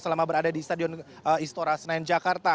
selama diberada diist addresses signal jakarta